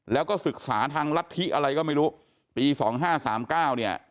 แล้วก็ศึกษาทางรัฐธิอะไรก็ไม่รู้ปี๒๕๓๙เนี่ย